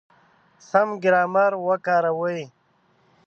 سم ګرامر وکاروئ!